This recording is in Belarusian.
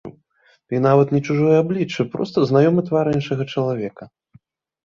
І нават не чужое аблічча, проста знаёмы твар іншага чалавека.